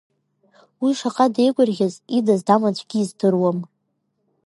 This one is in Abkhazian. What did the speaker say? Уи шаҟа деигәырӷьаз ида здам аӡәгьы издыруам!